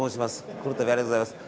この度はありがとうございます。